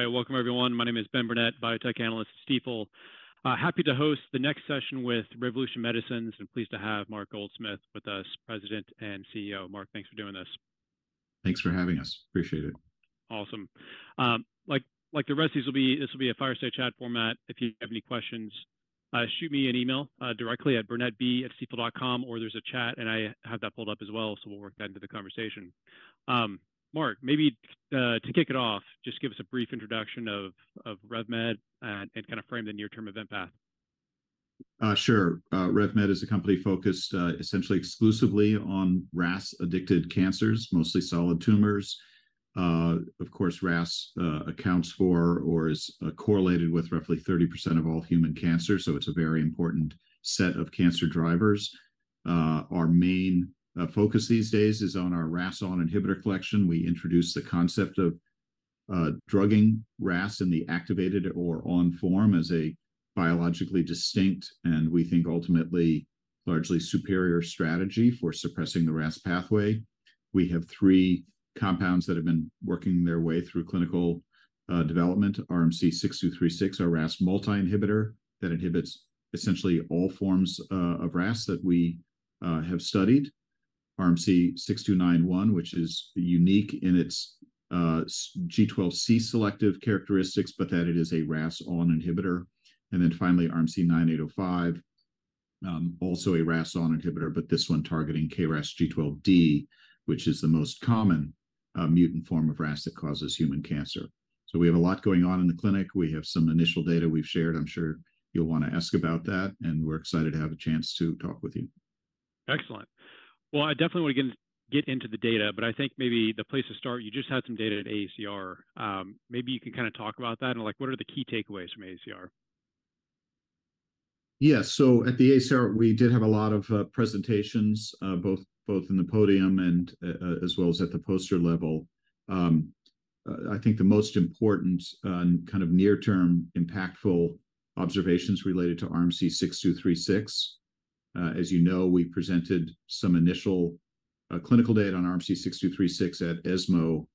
Welcome, everyone. My name is Ben Burnett, Biotech Analyst at Stifel. Happy to host the next session with Revolution Medicines, and pleased to have Mark Goldsmith with us, President and CEO. Mark, thanks for doing this. Thanks for having us. Appreciate it. Awesome. Like the rest, this will be a fireside chat format. If you have any questions, shoot me an email directly at burnettb@stifel.com, or there's a chat, and I have that pulled up as well, so we'll work that into the conversation. Mark, maybe to kick it off, just give us a brief introduction of RevMed and kind of frame the near-term event path. Sure. RevMed is a company focused essentially exclusively on RAS-addicted cancers, mostly solid tumors. Of course, RAS accounts for or is correlated with roughly 30% of all human cancers, so it's a very important set of cancer drivers. Our main focus these days is on our RAS(ON) inhibitor collection. We introduced the concept of drugging RAS in the activated or on form as a biologically distinct and, we think, ultimately largely superior strategy for suppressing the RAS pathway. We have three compounds that have been working their way through clinical development: RMC-6236, our RAS multi-inhibitor that inhibits essentially all forms of RAS that we have studied, RMC-6291, which is unique in its G12C selective characteristics, but that it is a RAS(ON) inhibitor, and then finally, RMC-9805, also a RAS(ON) inhibitor, but this one targeting KRAS G12D, which is the most common mutant form of RAS that causes human cancer. So we have a lot going on in the clinic. We have some initial data we've shared. I'm sure you'll want to ask about that, and we're excited to have a chance to talk with you. Excellent. Well, I definitely want to get into the data, but I think maybe the place to start, you just had some data at AACR. Maybe you can kind of talk about that and what are the key takeaways from AACR? Yeah. So at the AACR, we did have a lot of presentations, both in the podium and as well as at the poster level. I think the most important kind of near-term impactful observations related to RMC-6236. As you know, we presented some initial clinical data on RMC-6236 at ESMO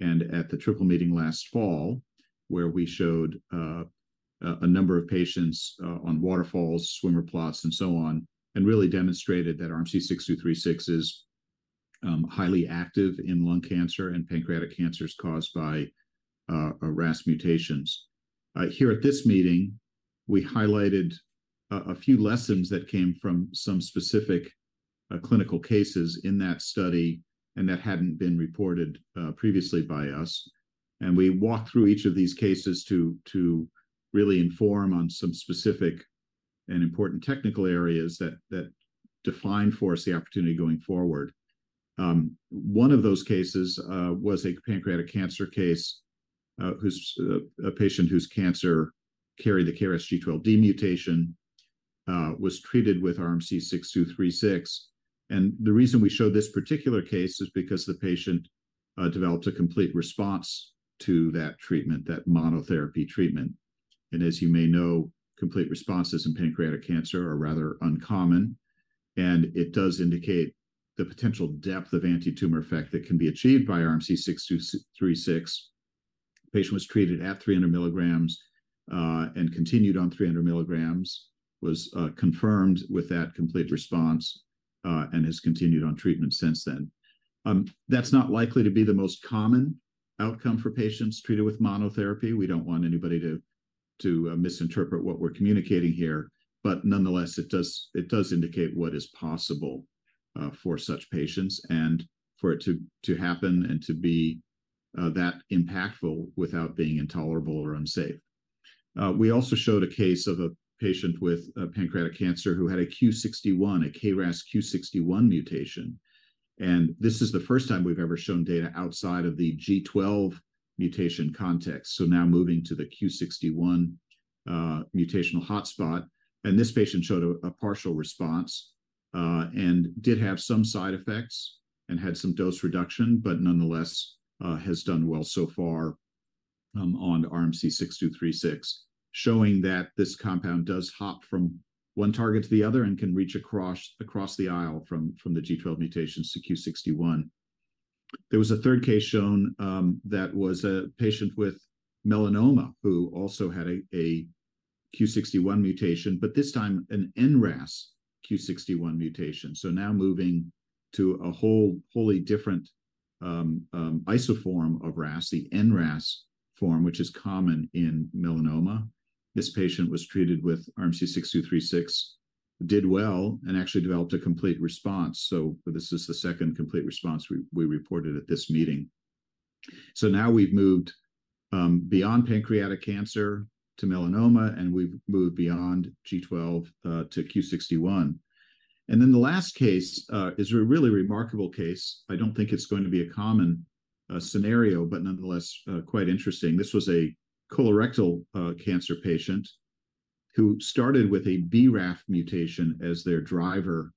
and at the Triple Meeting last fall, where we showed a number of patients on waterfalls, swimmer plots, and so on, and really demonstrated that RMC-6236 is highly active in lung cancer and pancreatic cancers caused by RAS mutations. Here at this meeting, we highlighted a few lessons that came from some specific clinical cases in that study and that hadn't been reported previously by us. We walked through each of these cases to really inform on some specific and important technical areas that defined for us the opportunity going forward. One of those cases was a pancreatic cancer patient whose cancer carried the KRAS G12D mutation, was treated with RMC-6236. The reason we showed this particular case is because the patient developed a complete response to that treatment, that monotherapy treatment. As you may know, complete responses in pancreatic cancer are rather uncommon, and it does indicate the potential depth of anti-tumor effect that can be achieved by RMC-6236. The patient was treated at 300 mg and continued on 300 mg, was confirmed with that complete response, and has continued on treatment since then. That's not likely to be the most common outcome for patients treated with monotherapy. We don't want anybody to misinterpret what we're communicating here. Nonetheless, it does indicate what is possible for such patients and for it to happen and to be that impactful without being intolerable or unsafe. We also showed a case of a patient with pancreatic cancer who had a Q61, a KRAS Q61 mutation. This is the first time we've ever shown data outside of the G12 mutation context, so now moving to the Q61 mutational hotspot. This patient showed a partial response and did have some side effects and had some dose reduction, but nonetheless has done well so far on RMC-6236, showing that this compound does hop from one target to the other and can reach across the aisle from the G12 mutations to Q61. There was a third case shown that was a patient with melanoma who also had a Q61 mutation, but this time an NRAS Q61 mutation. So now moving to a wholly different isoform of RAS, the NRAS form, which is common in melanoma. This patient was treated with RMC-6236, did well, and actually developed a complete response. So this is the second complete response we reported at this meeting. So now we've moved beyond pancreatic cancer to melanoma, and we've moved beyond G12 to Q61. And then the last case is a really remarkable case. I don't think it's going to be a common scenario, but nonetheless quite interesting. This was a colorectal cancer patient who started with a BRAF mutation as their driver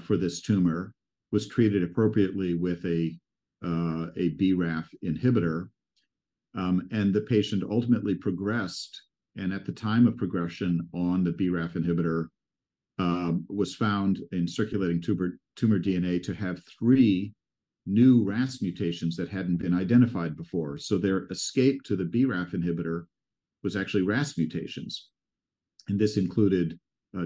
for this tumor, was treated appropriately with a BRAF inhibitor, and the patient ultimately progressed. And at the time of progression on the BRAF inhibitor, was found in circulating tumor DNA to have three new RAS mutations that hadn't been identified before. So their escape to the BRAF inhibitor was actually RAS mutations. This included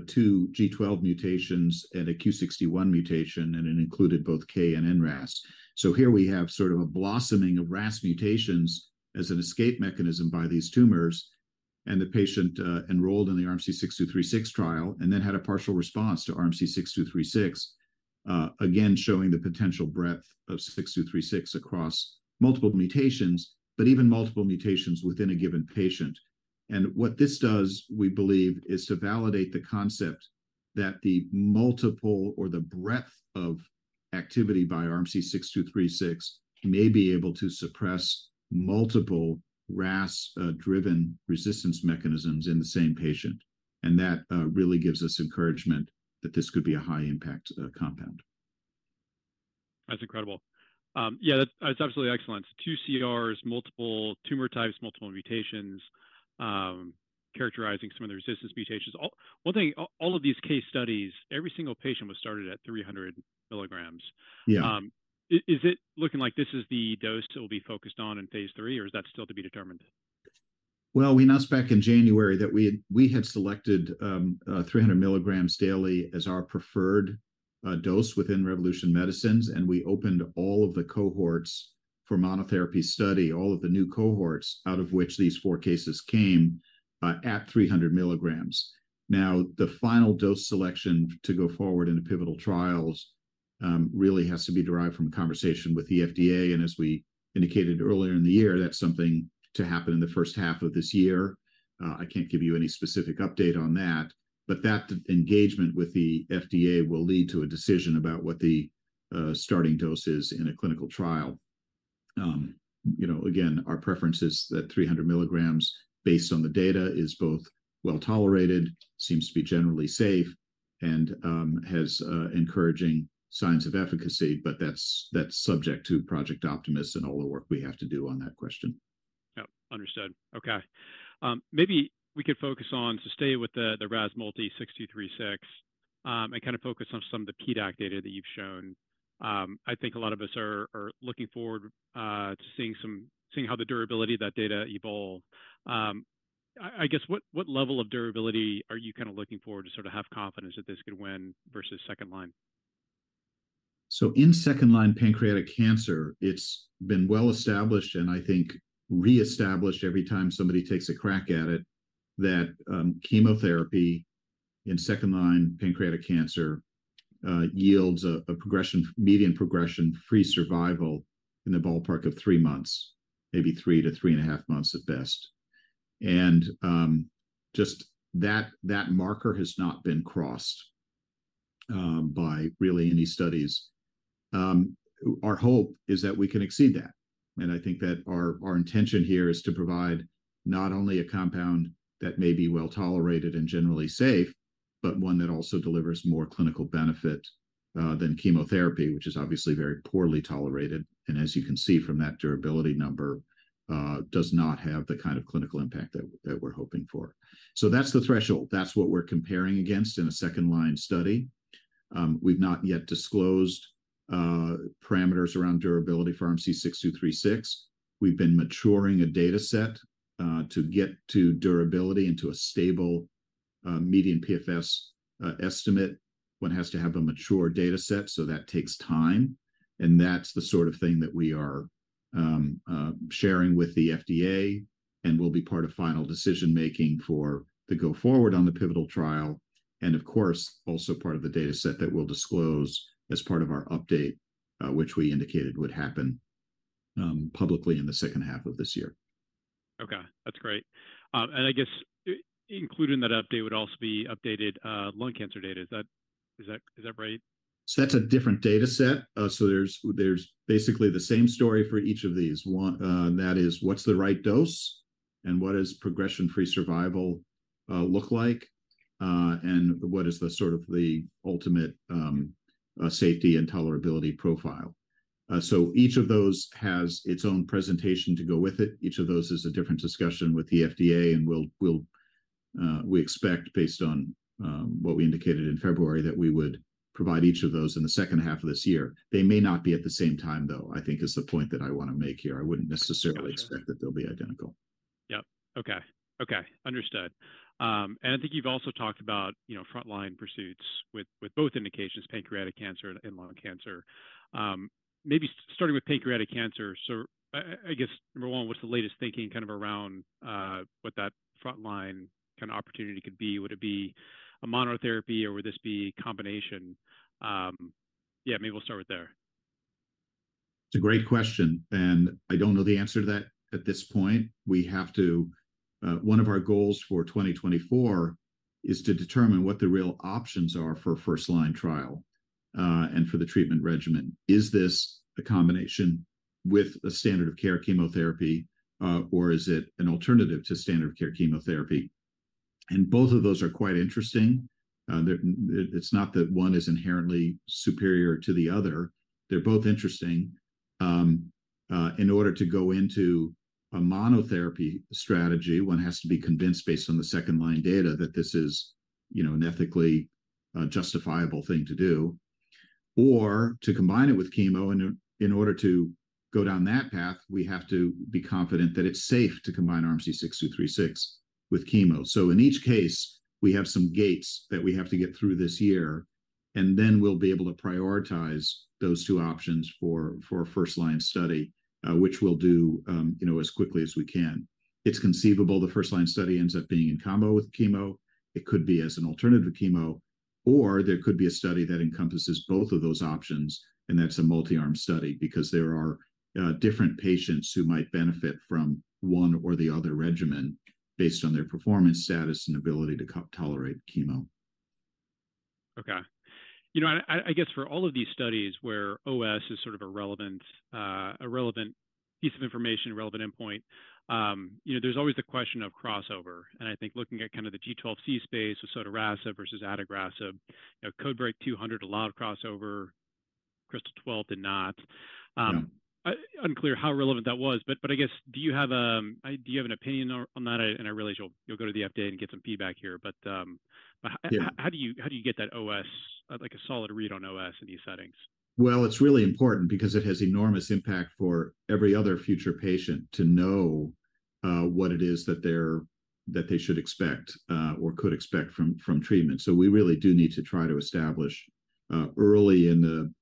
two G12 mutations and a Q61 mutation, and it included both KRAS and NRAS. So here we have sort of a blossoming of RAS mutations as an escape mechanism by these tumors. The patient enrolled in the RMC-6236 trial and then had a partial response to RMC-6236, again showing the potential breadth of 6236 across multiple mutations, but even multiple mutations within a given patient. What this does, we believe, is to validate the concept that the multiple or the breadth of activity by RMC-6236 may be able to suppress multiple RAS-driven resistance mechanisms in the same patient. That really gives us encouragement that this could be a high-impact compound. That's incredible. Yeah, that's absolutely excellent. Two CRs, multiple tumor types, multiple mutations, characterizing some of the resistance mutations. One thing, all of these case studies, every single patient was started at 300 mg. Is it looking like this is the dose it will be focused on in phase three, or is that still to be determined? Well, we announced back in January that we had selected 300 mg daily as our preferred dose within Revolution Medicines, and we opened all of the cohorts for monotherapy study, all of the new cohorts out of which these four cases came at 300 mg. Now, the final dose selection to go forward into pivotal trials really has to be derived from conversation with the FDA. And as we indicated earlier in the year, that's something to happen in the first half of this year. I can't give you any specific update on that, but that engagement with the FDA will lead to a decision about what the starting dose is in a clinical trial. Again, our preference is that 300 mg, based on the data, is both well-tolerated, seems to be generally safe, and has encouraging signs of efficacy. But that's subject to Project Optimus and all the work we have to do on that question. Yep, understood. Okay. Maybe we could focus on, so stay with the RMC-6236 and kind of focus on some of the PDAC data that you've shown. I think a lot of us are looking forward to seeing how the durability of that data evolves. I guess what level of durability are you kind of looking forward to sort of have confidence that this could win versus second-line? So in second-line pancreatic cancer, it's been well-established and I think reestablished every time somebody takes a crack at it that chemotherapy in second-line pancreatic cancer yields a median progression-free survival in the ballpark of three months, maybe three to three and a half months at best. And just that marker has not been crossed by really any studies. Our hope is that we can exceed that. And I think that our intention here is to provide not only a compound that may be well-tolerated and generally safe, but one that also delivers more clinical benefit than chemotherapy, which is obviously very poorly tolerated. And as you can see from that durability number, does not have the kind of clinical impact that we're hoping for. So that's the threshold. That's what we're comparing against in a second-line study. We've not yet disclosed parameters around durability for RMC-6236. We've been maturing a dataset to get to durability into a stable median PFS estimate. One has to have a mature dataset, so that takes time. That's the sort of thing that we are sharing with the FDA and will be part of final decision-making for the go forward on the pivotal trial, and of course, also part of the dataset that we'll disclose as part of our update, which we indicated would happen publicly in the second half of this year. Okay. That's great. And I guess including that update would also be updated lung cancer data. Is that right? So that's a different dataset. So there's basically the same story for each of these. That is, what's the right dose? And what does progression-free survival look like? And what is the sort of ultimate safety and tolerability profile? So each of those has its own presentation to go with it. Each of those is a different discussion with the FDA, and we expect, based on what we indicated in February, that we would provide each of those in the second half of this year. They may not be at the same time, though, I think is the point that I want to make here. I wouldn't necessarily expect that they'll be identical. Yep. Okay. Okay. Understood. And I think you've also talked about front-line pursuits with both indications, pancreatic cancer and lung cancer. Maybe starting with pancreatic cancer. So I guess, number one, what's the latest thinking kind of around what that front-line kind of opportunity could be? Would it be a monotherapy, or would this be a combination? Yeah, maybe we'll start with there. It's a great question, and I don't know the answer to that at this point. One of our goals for 2024 is to determine what the real options are for first-line trial and for the treatment regimen. Is this a combination with a standard-of-care chemotherapy, or is it an alternative to standard-of-care chemotherapy? Both of those are quite interesting. It's not that one is inherently superior to the other. They're both interesting. In order to go into a monotherapy strategy, one has to be convinced, based on the second-line data, that this is an ethically justifiable thing to do. Or to combine it with chemo, in order to go down that path, we have to be confident that it's safe to combine RMC-6236 with chemo. So in each case, we have some gates that we have to get through this year, and then we'll be able to prioritize those two options for a first-line study, which we'll do as quickly as we can. It's conceivable the first-line study ends up being in combo with chemo. It could be as an alternative to chemo, or there could be a study that encompasses both of those options, and that's a multi-arm study because there are different patients who might benefit from one or the other regimen based on their performance status and ability to tolerate chemo. Okay. And I guess for all of these studies where OS is sort of a relevant piece of information, relevant endpoint, there's always the question of crossover. And I think looking at kind of the G12C space with sotorasib versus adagrasib, CodeBreaK 200 allowed crossover, KRYSTAL-12 did not. Unclear how relevant that was. But I guess, do you have an opinion on that? And I realize you'll go to the FDA and get some feedback here. But how do you get that OS, like a solid read on OS in these settings? Well, it's really important because it has enormous impact for every other future patient to know what it is that they should expect or could expect from treatment. So we really do need to try to establish early in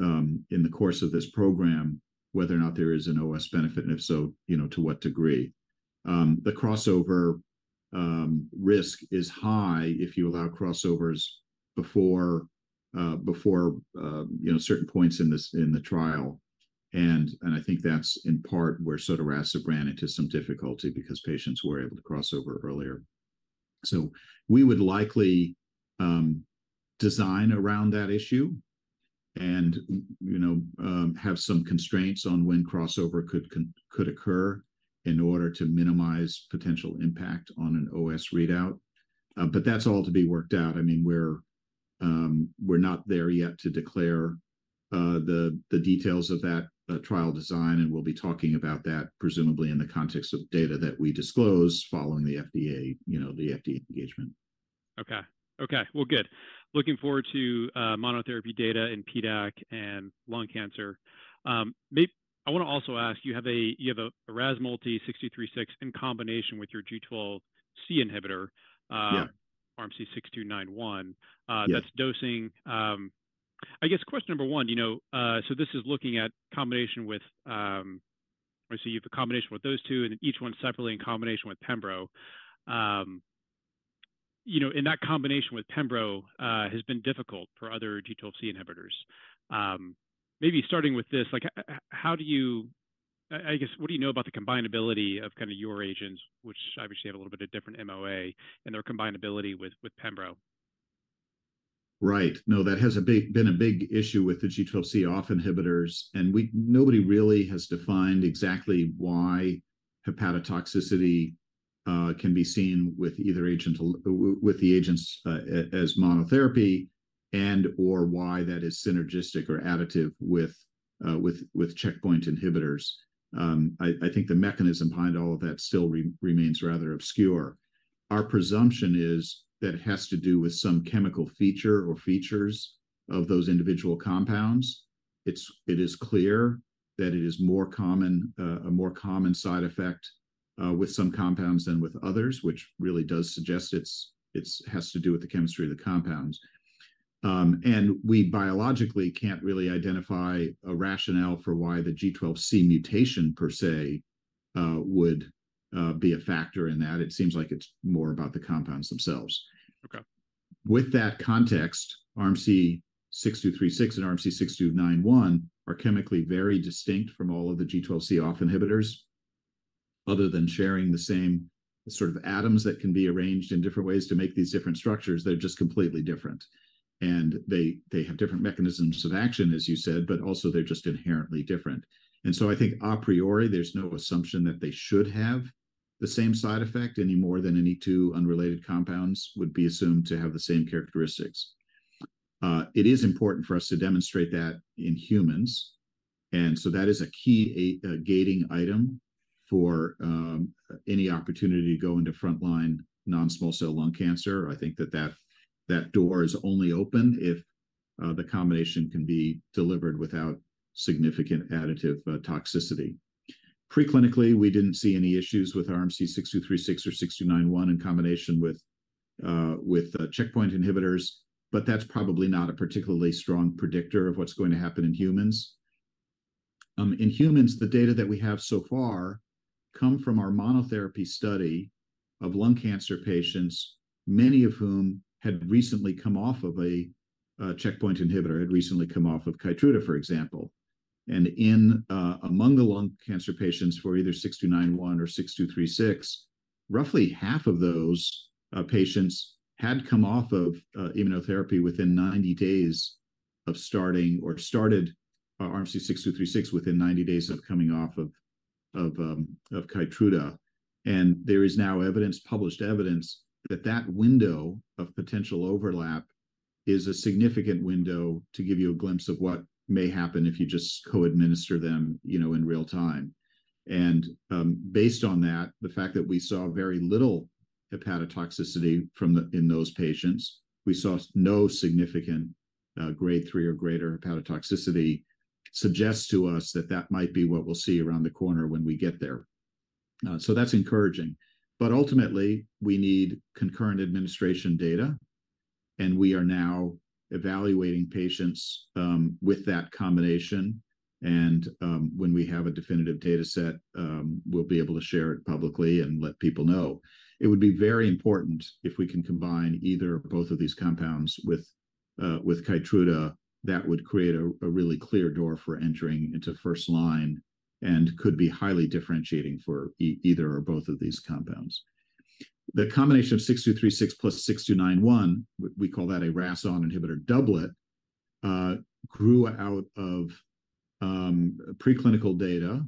the course of this program whether or not there is an OS benefit, and if so, to what degree. The crossover risk is high if you allow crossovers before certain points in the trial. And I think that's in part where sotorasib ran into some difficulty because patients were able to crossover earlier. So we would likely design around that issue and have some constraints on when crossover could occur in order to minimize potential impact on an OS readout. But that's all to be worked out. I mean, we're not there yet to declare the details of that trial design, and we'll be talking about that presumably in the context of data that we disclose following the FDA engagement. Okay. Okay. Well, good. Looking forward to monotherapy data in PDAC and lung cancer. I want to also ask, you have a RMC-6236 in combination with your G12C inhibitor, RMC-6291. That's dosing I guess, question number one, so this is looking at combination with I see you have a combination with those two, and then each one separately in combination with Pembro. And that combination with Pembro has been difficult for other G12C inhibitors. Maybe starting with this, how do you I guess, what do you know about the combinability of kind of your agents, which obviously have a little bit of different MOA, and their combinability with Pembro? Right. No, that has been a big issue with the G12C off inhibitors. Nobody really has defined exactly why hepatotoxicity can be seen with the agents as monotherapy and/or why that is synergistic or additive with checkpoint inhibitors. I think the mechanism behind all of that still remains rather obscure. Our presumption is that it has to do with some chemical feature or features of those individual compounds. It is clear that it is a more common side effect with some compounds than with others, which really does suggest it has to do with the chemistry of the compounds. We biologically can't really identify a rationale for why the G12C mutation, per se, would be a factor in that. It seems like it's more about the compounds themselves. With that context, RMC-6236 and RMC-6291 are chemically very distinct from all of the G12C off inhibitors. Other than sharing the same sort of atoms that can be arranged in different ways to make these different structures, they're just completely different. And they have different mechanisms of action, as you said, but also they're just inherently different. And so I think a priori, there's no assumption that they should have the same side effect any more than any two unrelated compounds would be assumed to have the same characteristics. It is important for us to demonstrate that in humans. And so that is a key gating item for any opportunity to go into front-line non-small cell lung cancer. I think that that door is only open if the combination can be delivered without significant additive toxicity. Preclinically, we didn't see any issues with RMC-6236 or RMC-6291 in combination with checkpoint inhibitors, but that's probably not a particularly strong predictor of what's going to happen in humans. In humans, the data that we have so far come from our monotherapy study of lung cancer patients, many of whom had recently come off of a checkpoint inhibitor, had recently come off of KEYTRUDA, for example. Among the lung cancer patients for either 6291 or 6236, roughly half of those patients had come off of immunotherapy within 90 days of starting or started RMC-6236 within 90 days of coming off of KEYTRUDA. There is now evidence, published evidence, that that window of potential overlap is a significant window to give you a glimpse of what may happen if you just co-administer them in real time. Based on that, the fact that we saw very little hepatotoxicity in those patients, we saw no significant Grade 3 or greater hepatotoxicity, suggests to us that that might be what we'll see around the corner when we get there. So that's encouraging. But ultimately, we need concurrent administration data. We are now evaluating patients with that combination. When we have a definitive dataset, we'll be able to share it publicly and let people know. It would be very important if we can combine either or both of these compounds with KEYTRUDA. That would create a really clear door for entering into first-line and could be highly differentiating for either or both of these compounds. The combination of 6236 + 6291, we call that a RAS(ON) inhibitor doublet, grew out of preclinical data,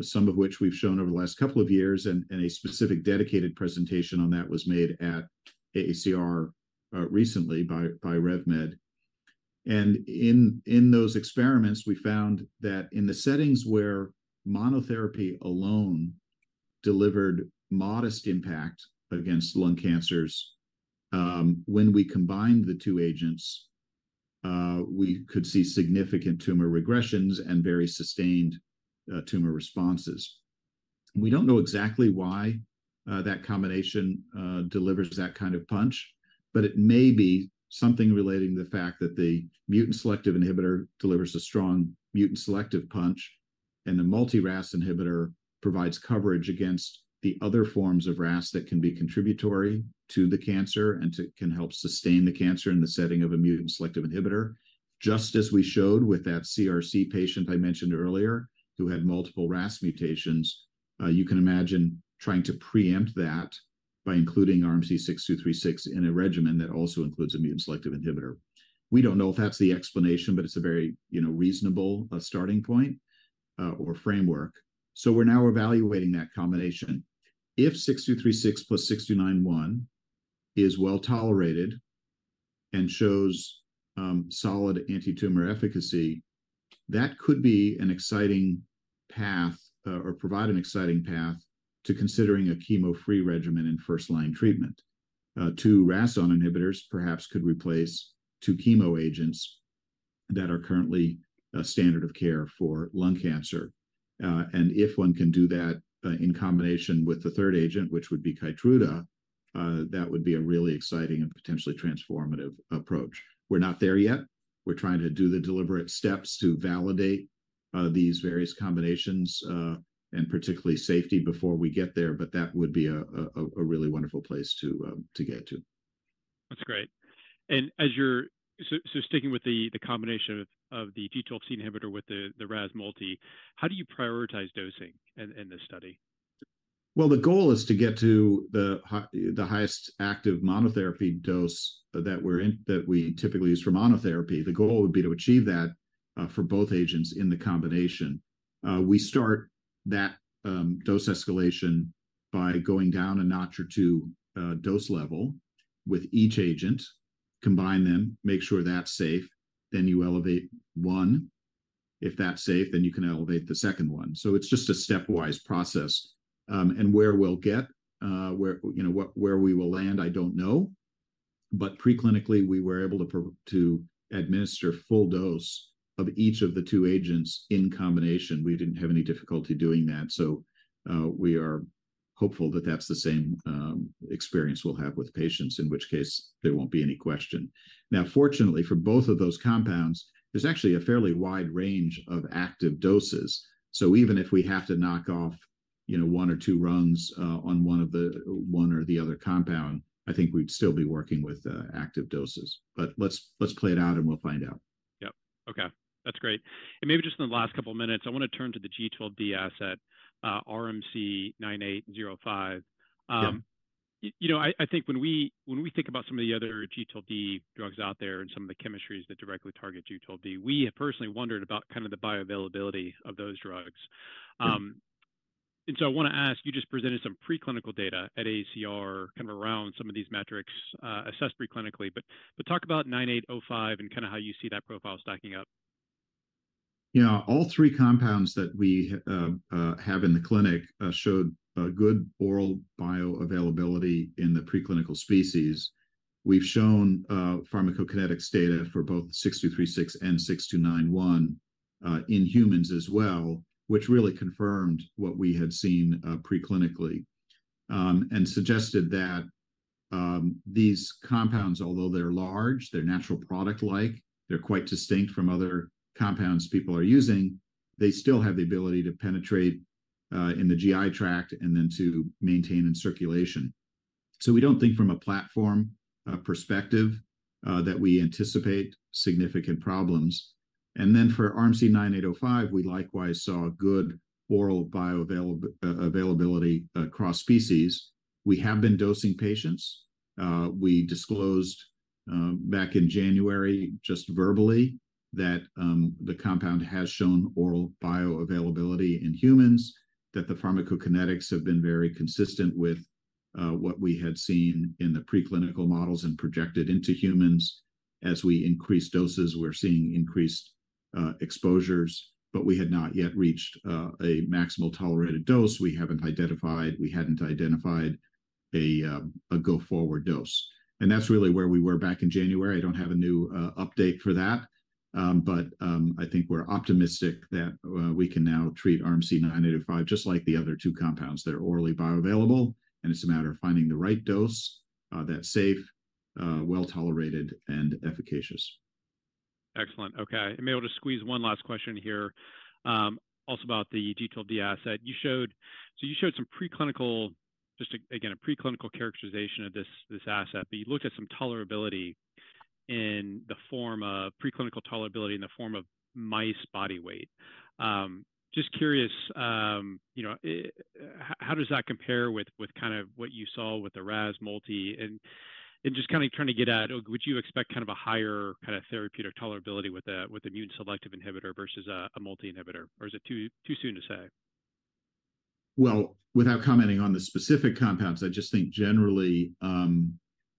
some of which we've shown over the last couple of years. A specific dedicated presentation on that was made at AACR recently by RevMed. In those experiments, we found that in the settings where monotherapy alone delivered modest impact against lung cancers, when we combined the two agents, we could see significant tumor regressions and very sustained tumor responses. We don't know exactly why that combination delivers that kind of punch, but it may be something relating to the fact that the mutant selective inhibitor delivers a strong mutant selective punch, and the multi-RAS inhibitor provides coverage against the other forms of RAS that can be contributory to the cancer and can help sustain the cancer in the setting of a mutant selective inhibitor. Just as we showed with that CRC patient I mentioned earlier who had multiple RAS mutations, you can imagine trying to preempt that by including RMC-6236 in a regimen that also includes a mutant selective inhibitor. We don't know if that's the explanation, but it's a very reasonable starting point or framework. So we're now evaluating that combination. If 6236 + 6291 is well tolerated and shows solid anti-tumor efficacy, that could be an exciting path or provide an exciting path to considering a chemo-free regimen in first-line treatment. Two RAS(ON) inhibitors perhaps could replace two chemo agents that are currently standard of care for lung cancer. And if one can do that in combination with the third agent, which would be KEYTRUDA, that would be a really exciting and potentially transformative approach. We're not there yet. We're trying to do the deliberate steps to validate these various combinations and particularly safety before we get there. But that would be a really wonderful place to get to. That's great. And so sticking with the combination of the G12C inhibitor with the RAS multi, how do you prioritize dosing in this study? Well, the goal is to get to the highest active monotherapy dose that we typically use for monotherapy. The goal would be to achieve that for both agents in the combination. We start that dose escalation by going down a notch or two dose level with each agent, combine them, make sure that's safe. Then you elevate one. If that's safe, then you can elevate the second one. So it's just a stepwise process. And where we'll get, where we will land, I don't know. But preclinically, we were able to administer full dose of each of the two agents in combination. We didn't have any difficulty doing that. So we are hopeful that that's the same experience we'll have with patients, in which case there won't be any question. Now, fortunately, for both of those compounds, there's actually a fairly wide range of active doses. Even if we have to knock off one or two rungs on one or the other compound, I think we'd still be working with active doses. Let's play it out, and we'll find out. Yep. Okay. That's great. And maybe just in the last couple of minutes, I want to turn to the G12D asset, RMC-9805. I think when we think about some of the other G12D drugs out there and some of the chemistries that directly target G12D, we have personally wondered about kind of the bioavailability of those drugs. And so I want to ask, you just presented some preclinical data at AACR kind of around some of these metrics, assessed preclinically. But talk about 9805 and kind of how you see that profile stacking up. Yeah. All three compounds that we have in the clinic showed good oral bioavailability in the preclinical species. We've shown pharmacokinetics data for both RMC-6236 and RMC-6291 in humans as well, which really confirmed what we had seen preclinically and suggested that these compounds, although they're large, they're natural product-like, they're quite distinct from other compounds people are using, they still have the ability to penetrate in the GI tract and then to maintain in circulation. So we don't think from a platform perspective that we anticipate significant problems. And then for RMC-9805, we likewise saw good oral bioavailability across species. We have been dosing patients. We disclosed back in January just verbally that the compound has shown oral bioavailability in humans, that the pharmacokinetics have been very consistent with what we had seen in the preclinical models and projected into humans. As we increase doses, we're seeing increased exposures. But we had not yet reached a maximal tolerated dose. We haven't identified a go-forward dose. And that's really where we were back in January. I don't have a new update for that. But I think we're optimistic that we can now treat RMC-9805 just like the other two compounds. They're orally bioavailable, and it's a matter of finding the right dose that's safe, well tolerated, and efficacious. Excellent. Okay. I may want to squeeze one last question here also about the G12D asset. So you showed some preclinical just again, a preclinical characterization of this asset. But you looked at some tolerability in the form of preclinical tolerability in the form of mice body weight. Just curious, how does that compare with kind of what you saw with the RAS multi? And just kind of trying to get at, would you expect kind of a higher kind of therapeutic tolerability with a mutant selective inhibitor versus a multi inhibitor? Or is it too soon to say? Well, without commenting on the specific compounds, I just think generally,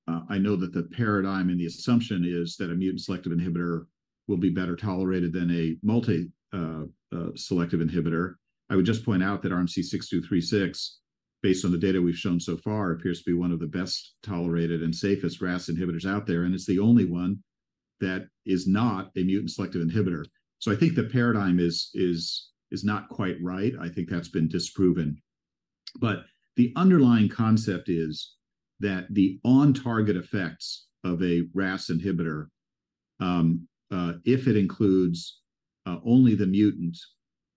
I know that the paradigm and the assumption is that a mutant selective inhibitor will be better tolerated than a multi-selective inhibitor. I would just point out that RMC-6236, based on the data we've shown so far, appears to be one of the best tolerated and safest RAS inhibitors out there. And it's the only one that is not a mutant selective inhibitor. So I think the paradigm is not quite right. I think that's been disproven. But the underlying concept is that the on-target effects of a RAS inhibitor, if it includes only the mutant,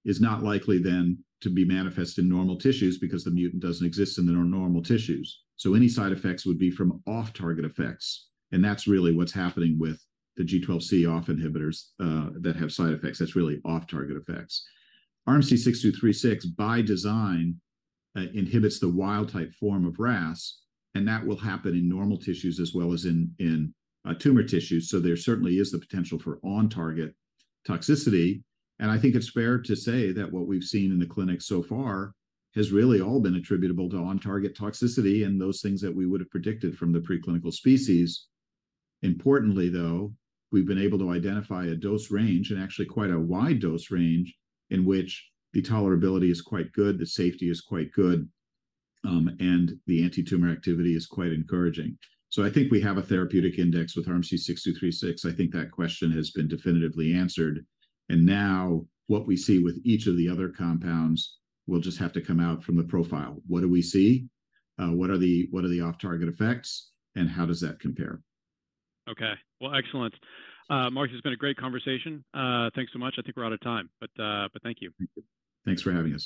is not likely then to be manifest in normal tissues because the mutant doesn't exist in the normal tissues. So any side effects would be from off-target effects. And that's really what's happening with the G12C off inhibitors that have side effects. That's really off-target effects. RMC-6236, by design, inhibits the wild-type form of RAS. And that will happen in normal tissues as well as in tumor tissues. So there certainly is the potential for on-target toxicity. And I think it's fair to say that what we've seen in the clinic so far has really all been attributable to on-target toxicity and those things that we would have predicted from the preclinical species. Importantly, though, we've been able to identify a dose range and actually quite a wide dose range in which the tolerability is quite good, the safety is quite good, and the anti-tumor activity is quite encouraging. So I think we have a therapeutic index with RMC-6236. I think that question has been definitively answered. And now what we see with each of the other compounds will just have to come out from the profile. What do we see? What are the off-target effects? How does that compare? Okay. Well, excellent. Mark, it's been a great conversation. Thanks so much. I think we're out of time. But thank you. Thank you. Thanks for having us.